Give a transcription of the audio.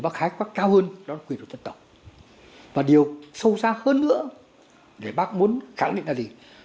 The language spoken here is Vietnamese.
từ quyền con người ấy